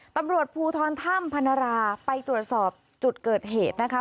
ตำรวจภูทรถ้ำพนราไปตรวจสอบจุดเกิดเหตุนะคะ